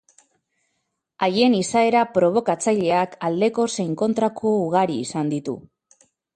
Haien izaera probokatzaileak aldeko zein kontrako ugari izan ditu.